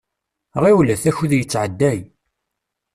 Ɣiwlet, akud yettɛedday.